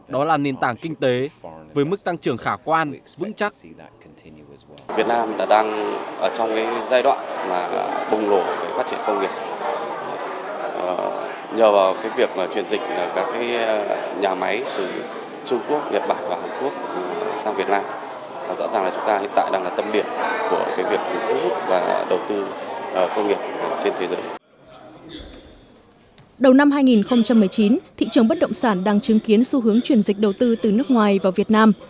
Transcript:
đầu năm hai nghìn một mươi chín thị trường bất động sản đang chứng kiến xu hướng truyền dịch đầu tư từ nước ngoài vào việt nam